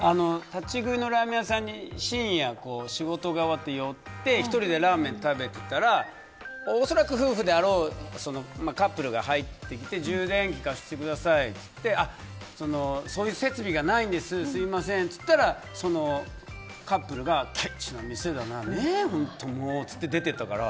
立ち食いのラーメン屋さんに深夜仕事が終わって寄って１人でラーメン食べてたら恐らく夫婦であろうカップルが入ってきて充電器貸してくださいって言ってそういう設備がないんですすみませんって言ったらそのカップルがケチな店だな、本当と言って出ていったから。